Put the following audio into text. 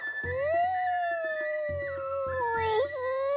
んおいしい！